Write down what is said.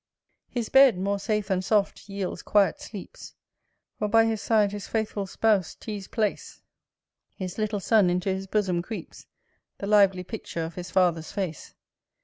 His bed, more safe than soft, yields quiet sleeps, While by his side his faithful spouse teas place His little son into his bosom creeps, The lively picture of his father's face.